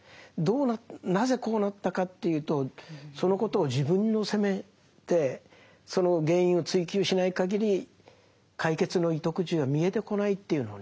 なぜこうなったかというとそのことを自分を責めてその原因を追及しないかぎり解決の糸口は見えてこないというのはね